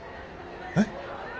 えっ？